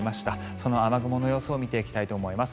その雨雲の様子を見ていきたいと思います。